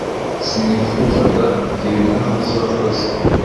Sinifuzaga kugenda ntavuze urakoze